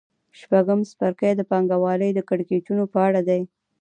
شپږم څپرکی د پانګوالۍ د کړکېچونو په اړه دی